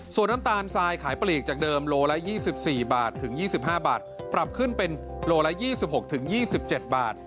ส่วนน้ำตาลทรายขายปลีกจากเดิมโลละ๒๔บาทถึง๒๕บาทปรับขึ้นเป็นโลละ๒๖๒๗บาท